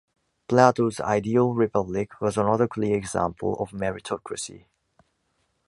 Plato’s ideal republic was another clear example of meritocracy.